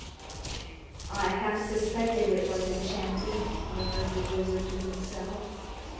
'I half suspected it was enchanted,' murmured the wizard to himself.